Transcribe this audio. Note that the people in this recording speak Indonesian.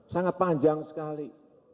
sangat panjang sekali